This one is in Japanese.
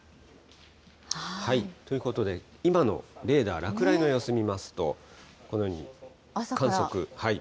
ということで、今のレーダー、落雷の様子見ますと、このように観測。